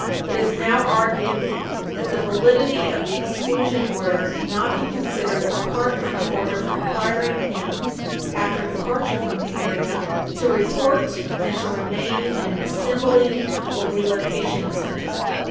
It is now argued that the validity of the exclusion order cannot be considered apart from the orders requiring him, after departure from the area, to report and to remain in an assembly or relocation center.